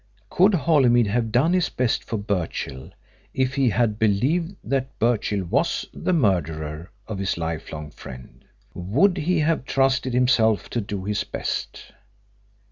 Could Holymead have done his best for Birchill if he had believed that Birchill was the murderer of his lifelong friend? Would he have trusted himself to do his best?